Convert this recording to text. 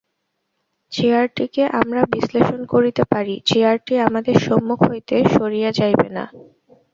চেয়ারটিকে আমরা বিশ্লেষণ করিতে পারি, চেয়ারটি আমাদের সম্মুখ হইতে সরিয়া যাইবে না।